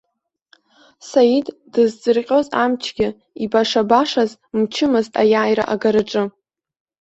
Саид дыҵзырҟьоз амчгьы ибаша-башаз мчымызт аиааира агараҿы.